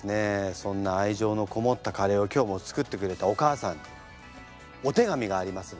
そんな愛情のこもったカレーを今日も作ってくれたお母さんからお手紙がありますのでぼくが読んでみますね。